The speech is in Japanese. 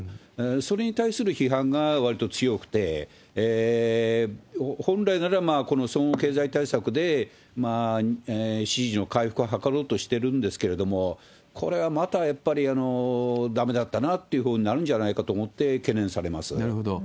それに対する批判がわりと強くて、本来なら、この総合経済対策で支持の回復を図ろうとしてるんですけれども、これはまたやっぱり、だめだったなというふうになるんじゃないかと思って、懸念されまなるほど。